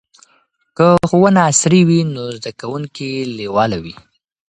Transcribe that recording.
که ښوونه عصري وي نو زده کوونکي لیواله وي.